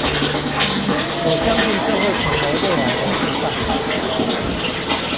我相信這會成為未來的示範